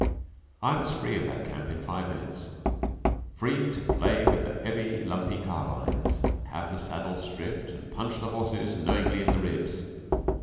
I was free of that camp in five minutes free to play with the heavy, lumpy carbines, have the saddles stripped, and punch the horses knowingly in the ribs.